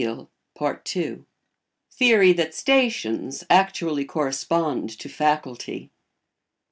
[Sidenote: Theory that stations actually correspond to faculty.